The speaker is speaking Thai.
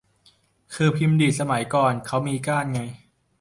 คือพิมพ์ดีดสมัยก่อนเค้ามีก้านไง